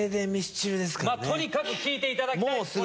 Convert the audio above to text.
まっとにかく聴いていただきたいです